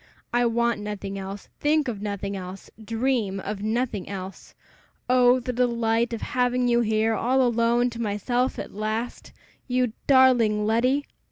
"I want nothing else, think of nothing else, dream of nothing else. Oh, the delight of having you here all alone to myself at last! You darling Letty!"